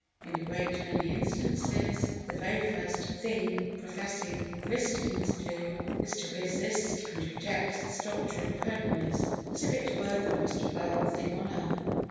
In a great many instances, the very first thing professing Christians do, is to resist and reject this doctrine of holiness as if it were the most foul thing on earth.